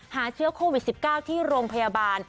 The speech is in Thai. หาเชื้อโควิด๑๙ที่โรงพยาบาล